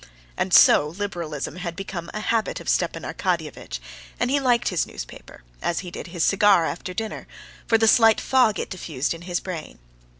And so Liberalism had become a habit of Stepan Arkadyevitch's, and he liked his newspaper, as he did his cigar after dinner, for the slight fog it diffused in his brain.